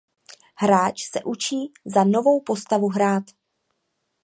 Hráč se učí za novou postavu hrát.